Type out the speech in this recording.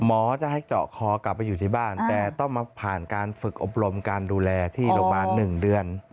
หมอจะให้เจาะคอกลับไปอยู่ที่บ้านแต่ต้องมาผ่านการฝึกอบรมการดูแลที่โรงพยาบาล๑เดือน